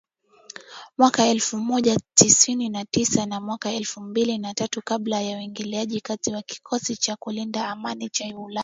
Mwaka elfu moja tisini na tisa na mwaka elfu mbili na tatu kabla ya uingiliaji kati wa kikosi cha kulinda amani cha ulaya